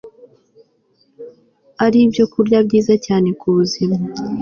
ari ibyokurya byiza cyane ku buzima